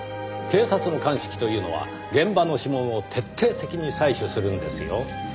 警察の鑑識というのは現場の指紋を徹底的に採取するんですよ。